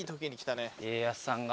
家康さんが。